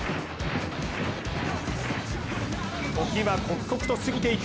時は刻々と過ぎていく。